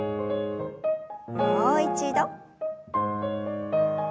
もう一度。